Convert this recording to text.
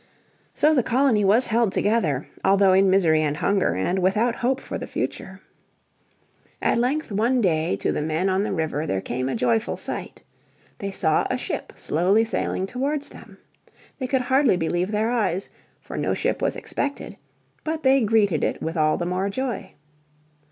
So the colony was held together, although in misery and hunger and without hope for the future. At length one day to the men on the river there came a joyful sight. They saw a ship slowly sailing towards them. They could hardly believe their eyes, for no ship was expected; but they greeted it with all the more joy.